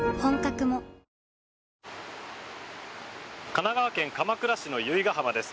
神奈川県鎌倉市の由比ガ浜です。